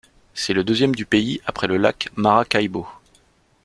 C’est le deuxième du pays après le lac Maracaibo.